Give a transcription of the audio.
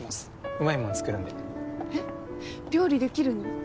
うまいもん作るんでえっ料理できるの？